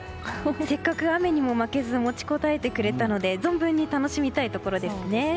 せっかく雨にも負けず持ちこたえてくれたので存分に楽しみたいところですね。